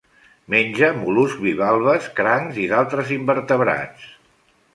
Menja mol·luscs bivalves, crancs i d'altres invertebrats.